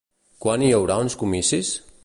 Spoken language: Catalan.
Quan hi haurà uns comicis?